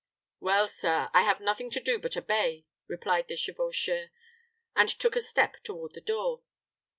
"Well, sir, I have nothing to do but obey," replied the chevaucheur, and took a step toward the door.